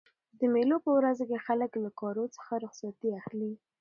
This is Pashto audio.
د مېلو په ورځو کښي خلک له کارو څخه رخصتي اخلي.